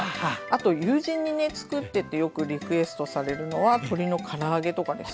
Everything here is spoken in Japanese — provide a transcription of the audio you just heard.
あと友人にね作ってってよくリクエストされるのは鶏のから揚げとかですねはい。